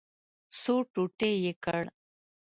څو ټوټې یې کړ.